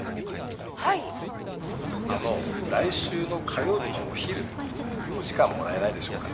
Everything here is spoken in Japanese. あの来週の火曜日のお昼お時間もらえないでしょうか？